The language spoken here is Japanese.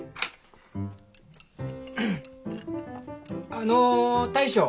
あの大将。